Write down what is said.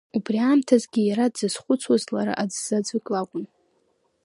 Убри аамҭазгьы иара дзызхәыцуаз лара аӡә заҵәык лакәын…